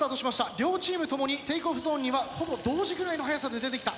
両チームともにテイクオフゾーンにはほぼ同時ぐらいの速さで出てきた。